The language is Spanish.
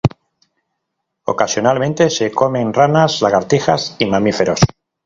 Ocasionalmente se comen ranas, lagartijas y mamíferos.